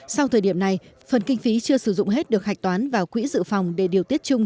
sau thời điểm này phần kinh phí chưa sử dụng hết được hạch toán vào quỹ dự phòng để điều tiết chung